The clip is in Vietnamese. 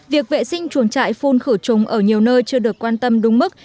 việc vệ sinh chuồng trại phun khử trùng ở nhiều nơi chưa được quan tâm đúng mức